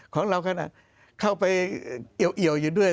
ของเราขนาดเข้าไปเอี่ยวอยู่ด้วย